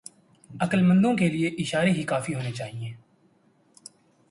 عقلمندوں کے لئے اشارے ہی کافی ہونے چاہئیں۔